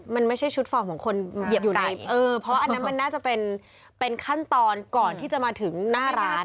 มันไม่ใช่ชุดฟอร์มของคนเหยียบอยู่ในเออเพราะอันนั้นมันน่าจะเป็นขั้นตอนก่อนที่จะมาถึงหน้าร้าน